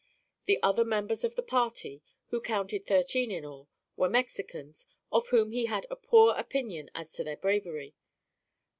The other members of the party, who counted thirteen in all, were Mexicans of whom he had a poor opinion as to their bravery.